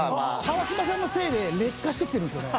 川島さんのせいで劣化してきてるんすよね。